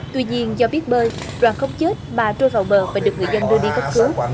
tuy nhiên do biết bơi đoàn không chết mà trôi vào bờ và được người dân đưa đi cấp cứu